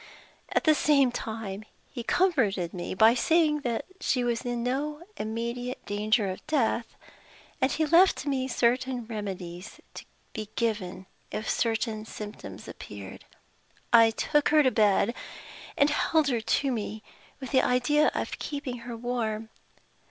At the same time, he comforted me by saying that she was in no immediate danger of death; and he left me certain remedies to be given, if certain symptoms appeared. I took her to bed, and held her to me, with the idea of keeping her warm.